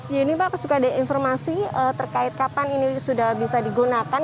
jadi pak ada informasi terkait kapan ini sudah bisa digunakan